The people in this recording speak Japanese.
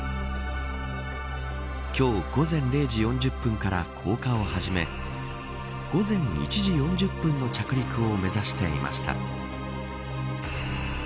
今日午前０時４０分から降下を始め午前１時４０分の着陸を目指していました。